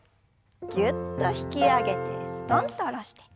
ぎゅっと引き上げてすとんと下ろして。